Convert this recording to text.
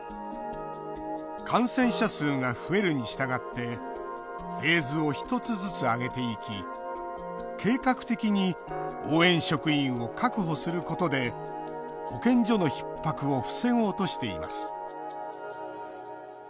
感染者数が増えるにしたがってフェーズを１つずつ上げていき計画的に応援職員を確保することで保健所のひっ迫を防ごうとしています。